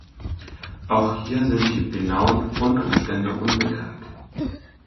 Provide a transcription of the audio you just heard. Auch hier sind die genauen Fundumstände unbekannt.